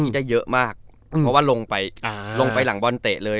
ได้เยอะมากเพราะว่าลงไปลงไปหลังบอลเตะเลย